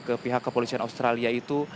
ke pihak kepolisian australia itu